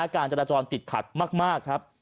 การจราจรติดขัดมาก